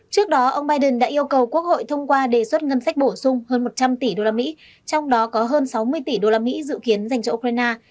trước đó ông biden đã yêu cầu quốc hội thông qua đề xuất ngân sách bổ sung hơn một trăm linh tỷ usd trong đó có hơn sáu mươi tỷ đô la mỹ dự kiến dành cho ukraine